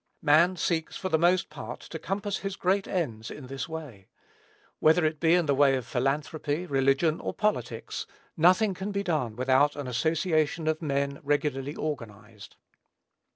Man seeks, for the most part, to compass his great ends in this way. Whether it be in the way of Philanthropy, Religion, or Politics, nothing can be done without an association of men regularly organized.